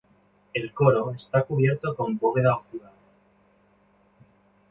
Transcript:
El coro está cubierto con bóveda ojival.